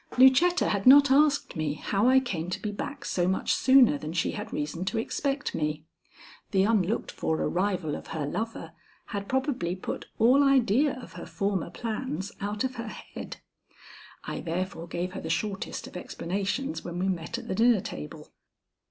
Lucetta had not asked me how I came to be back so much sooner than she had reason to expect me. The unlooked for arrival of her lover had probably put all idea of her former plans out of her head. I therefore gave her the shortest of explanations when we met at the dinner table.